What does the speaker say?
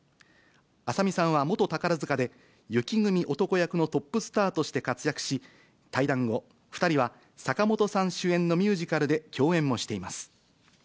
朝海さんは元宝塚で、雪組男役のトップスターとして活躍し、退団後、２人は坂本さん主演のミュージカルで共演もしています。